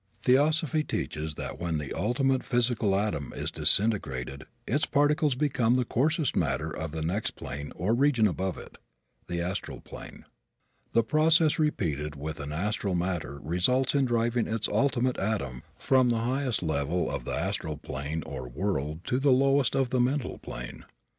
Theosophy teaches that when the ultimate physical atom is disintegrated its particles become the coarsest matter of the next plane or region above it the astral plane. The process repeated with astral matter results in driving its ultimate atom from the highest level of the astral plane or world to the lowest of the mental plane.